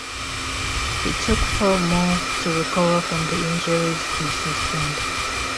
He took four months to recover from the injuries he sustained.